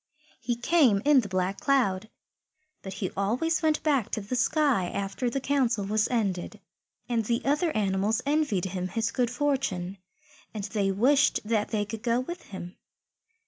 He came in the Black Cloud, but he always went back to the sky after the Council was ended. And the other animals envied him his good fortune, and they wished that they could go with him.